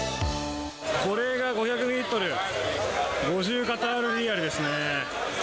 これが５００ミリリットル、５０カタール・リヤルですね。